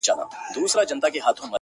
• بيا به تاوان راکړې د زړگي گلي.